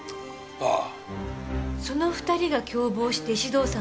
ああ。